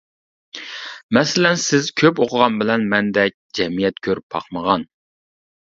مەسىلەن، سىز كۆپ ئوقۇغان بىلەن مەندەك جەمئىيەت كۆرۈپ باقمىغان.